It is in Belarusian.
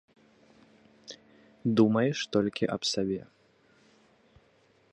Думаеш толькі аб сабе.